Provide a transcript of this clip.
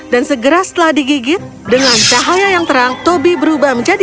dan segera setelah digigit dengan cahaya yang terang toby berubah menjadi